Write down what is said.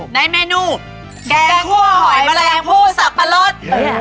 ได้เมนูแกงคั่วหอยแมลงผู้สับปะรด